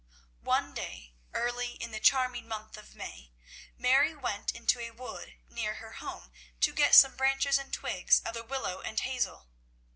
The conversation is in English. One day, early in the charming month of May, Mary went into a wood near her home to get some branches and twigs of the willow and hazel.